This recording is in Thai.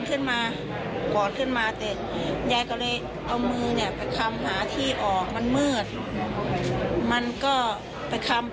คุณผู้ชมไปฟังเสียงผู้รอดชีวิตกันหน่อยค่ะ